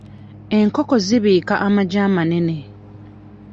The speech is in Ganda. Enkoko zibiika amagi amanene.